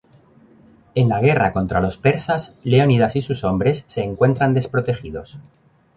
En la guerra contra los persas, Leónidas y sus hombres se encuentran desprotegidos.